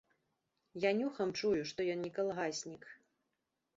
Я нюхам чую, што ён не калгаснік.